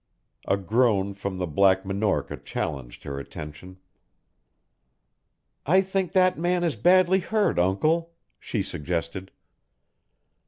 A groan from the Black Minorca challenged her attention. "I think that man is badly hurt, Uncle," she suggested.